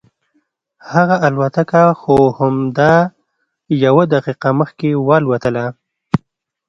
هغه الوتکه خو همدا یوه دقیقه مخکې والوتله.